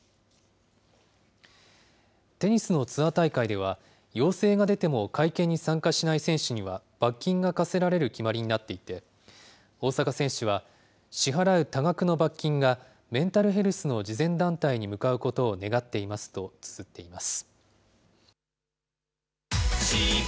テニスのツアー大会では、要請が出ても会見に参加しない選手には、罰金が科せられる決まりになっていて、大坂選手は支払う多額の罰金がメンタルヘルスの慈善団体に向かうことを願っていますとつづっています。